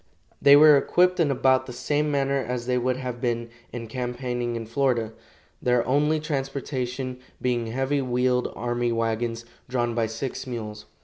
They were equipped in about the same manner as they would have been in campaigning in Florida, their only transportation being heavy wheeled army wagons, drawn by six mules.